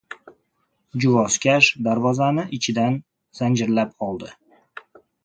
Juvozkash darvozani ichidan zanjirlab oldi.